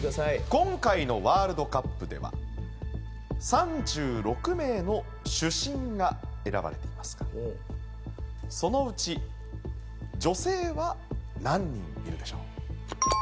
今回のワールドカップでは３６名の主審が選ばれていますがそのうち女性は何人いるでしょう？